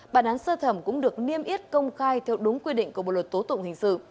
bản án sơ thẩm cũng được niêm yết công khai theo đúng quy định của bộ luật tố tụng hình sự